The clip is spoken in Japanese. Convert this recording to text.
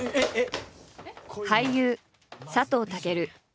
俳優佐藤健。